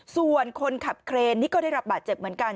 ส่วนคนขับเครนนี่ก็ได้รับบาดเจ็บเหมือนกัน